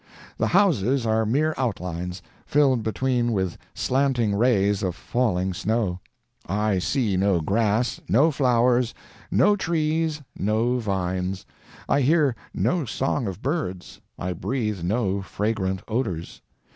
The houses are mere outlines, filled between with slanting rays of falling snow. I see no grass, no flowers, no trees, no vines. I hear no song of birds, I breathe no fragrant odors.